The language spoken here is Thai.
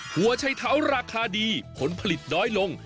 หัวชัยเท้าราคาดีผลผลิตน้อยลง